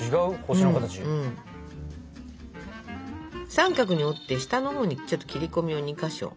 三角に折って下のほうにちょっと切り込みを２か所。